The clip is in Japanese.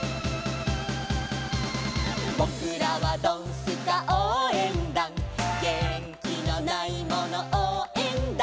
「ぼくらはドンスカおうえんだん」「げんきのないものおうえんだ！！」